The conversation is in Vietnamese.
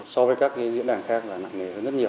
so với các diễn đàn khác là mạng nghề hơn rất nhiều